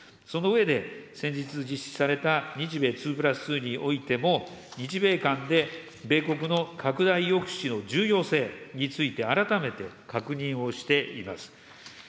その上で先日実施された日米２＋２においても、日米間で、米国の核大抑止の重要性について改めて確認をしています。